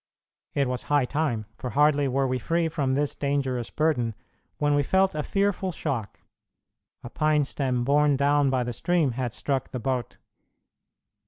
It was high time, for hardly were we free from this dangerous burden when we felt a fearful shock. A pine stem borne down by the stream had struck the boat.